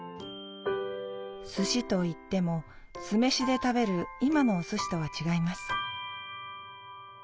すしといっても酢飯で食べる今のおすしとは違います